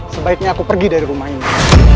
sebaiknya aku pergi dari rumah ini